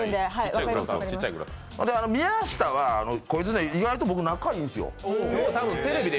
宮下は、こいつね意外と僕仲いいんですよ。